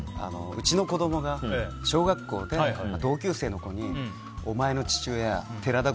うちの子供が小学校で同級生の子にお前の父親寺田